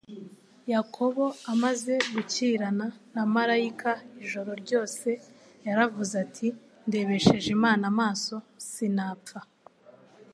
Yakobo, amaze gukirana na Marayika ijoro ryose, yaravuze ati, ''Ndebesheje Imana amaso, sinapfa.